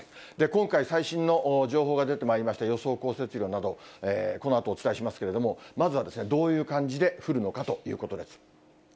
今回、最新の情報が出てまいりました、予想降雪量など、このあとお伝えしますけれども、まずは、どういう感じで降るのかということです。